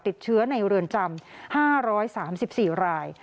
ติดเชื้อในเรือนจำ๕๓๔ราย